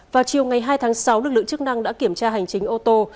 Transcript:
vào chiều ngày hai tháng sáu lực lượng chức năng đã kiểm tra hành chính ô tô